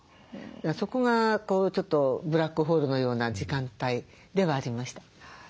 そこがちょっとブラックホールのような時間帯ではありました。